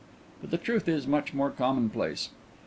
But the truth is much more commonplace.